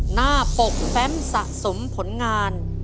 หน้าปกแฟมสะสมผลงาน